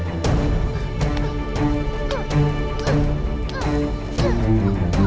aku lihat ratungnya